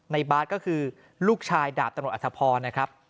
บาทก็คือลูกชายดาบตำรวจอัฐพรนะครับ